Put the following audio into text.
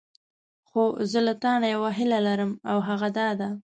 خو زه له تانه یوه هیله لرم او هغه دا ده.